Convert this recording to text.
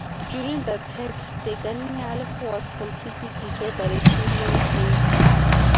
During the attack Degania Alef was completely destroyed by the Syrian army.